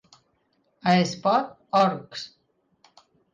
A Espot, orcs.